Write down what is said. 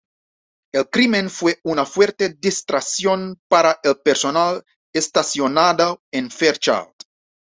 El crimen fue una fuerte distracción para el personal estacionado en Fairchild.